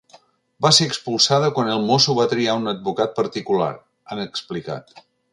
“Va ser expulsada quan el mosso va triar un advocat particular”, han explicat.